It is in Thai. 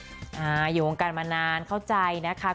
อยู่วงการมานานเข้าใจนะคะ